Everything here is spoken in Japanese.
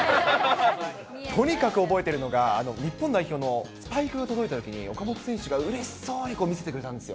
とにかく覚えているのが、日本代表のスパイクが届いたときに、岡本選手がうれしそうに見せてくれたんですよ。